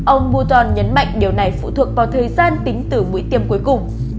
ông bouton nhấn mạnh điều này phụ thuộc vào tài liệu